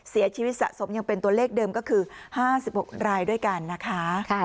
เสียชีวิตสะสมยังเป็นตัวเลขเดิมก็คือ๕๖รายด้วยกันนะคะ